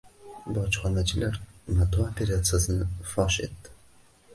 Bojxonachilar “mato” operatsiyasini fosh etdi